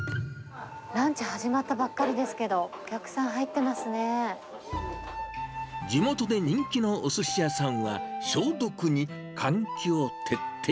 ランチ始まったばっかりですけど、地元で人気のおすし屋さんは、消毒に換気を徹底。